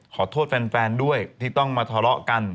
ขอโทษแฟนด้วยที่ต้องมาทะเลาะกัน